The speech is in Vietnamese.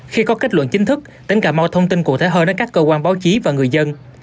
khi có kết luận chính thức tỉnh cà mau thông tin cụ thể hơn đến các cơ quan báo chí và người dân